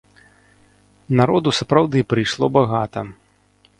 Народу сапраўды прыйшло багата.